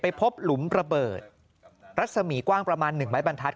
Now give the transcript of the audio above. พบหลุมระเบิดรัศมีกว้างประมาณ๑ไม้บรรทัศ